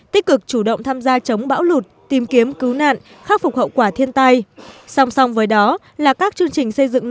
tích cực chủ động tham gia chống bão lụt tìm kiếm cứu nạn khắc phục hậu quả thiên tai